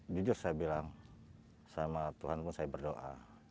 jujur saya bilang sama tuhan pun saya berdoa